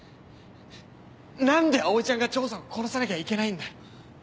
何で葵ちゃんが丈さんを殺さなきゃいけないんだよ？